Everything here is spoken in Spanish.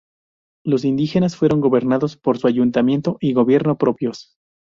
Los indígenas fueron gobernados por su ayuntamiento y gobierno propios.